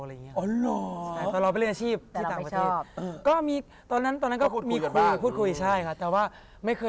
พอเราไปเรื่องอาชีพที่ต่างประเทศ